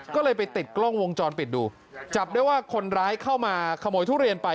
ก็เลยไปติดกล้องวงจรปิดดูจับได้ว่าคนร้ายเข้ามาขโมยทุเรียนไป